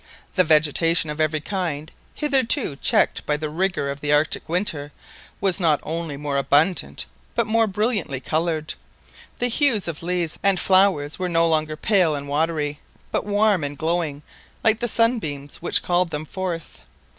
The vegetation of every kind, hitherto checked by the rigour of the Arctic winter, was not only more abundant, but more brilliantly coloured. The hues of leaves and flowers were no longer pale and watery, but warm and glowing, like the sunbeams which called them forth.